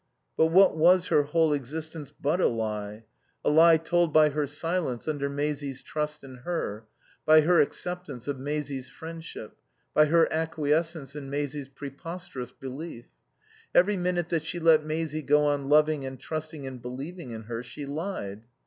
But what was her whole existence but a lie? A lie told by her silence under Maisie's trust in her, by her acceptance of Maisie's friendship, by her acquiescence in Maisie's preposterous belief. Every minute that she let Maisie go on loving and trusting and believing in her she lied.